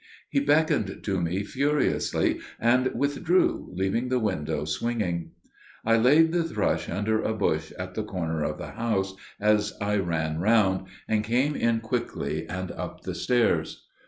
He beckoned to me furiously and withdrew, leaving the window swinging. I laid the thrush under a bush at the corner of the house as I ran round, and came in quickly and up the stairs.